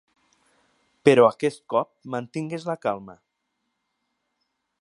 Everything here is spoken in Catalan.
Però aquest cop mantingues la calma.